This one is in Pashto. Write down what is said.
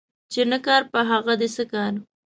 چي نه کار په هغه دي څه کار.